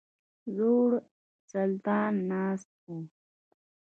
زوړ سلطان ناست وو.